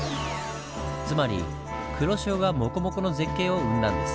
つまり黒潮がモコモコの絶景を生んだんです。